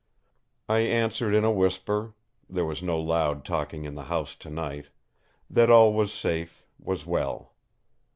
I answered in a whisper—there was no loud talking in the house tonight—that all was safe, was well.